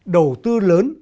đầu tư lớn